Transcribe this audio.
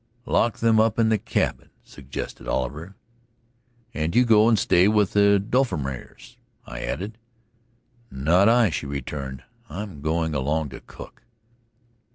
"Lock them up in the cabin," suggested Oliver. "And you go and stay with the Dofflemires," I added. "Not I," she returned. "I'm going along to cook."